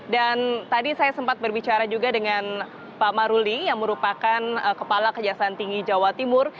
dan tadi saya sempat berbicara juga dengan pak maruli yang merupakan kepala kejaksaan tinggi jawa timur